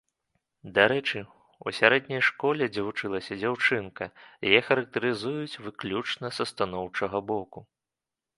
Дарэчы, у сярэдняй школе, дзе вучылася дзяўчынка, яе характарызуюць выключна са станоўчага боку.